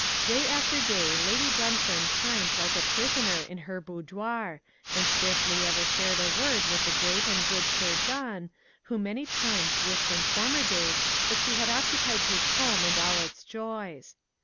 Day after day Lady Dunfern pined like a prisoner in her boudoir, and scarcely ever shared a word with the great and good Sir John, who many times wished in former days that she had occupied his home and all its joys.